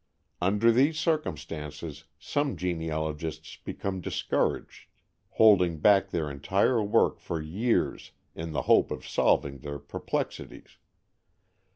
Under these circumstances some genealogists become discouraged, holding back their entire work for years in the hope of solving their perplexities.